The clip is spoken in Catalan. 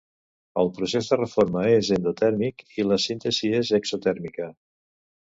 El procés de reforma és endotèrmic i la síntesi és exotèrmica.